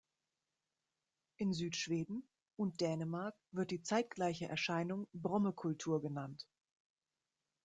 In Südschweden und Dänemark wird die zeitgleiche Erscheinung Bromme-Kultur genannt.